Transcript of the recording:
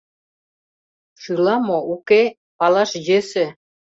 Шӱла мо, уке — палаш йӧсӧ.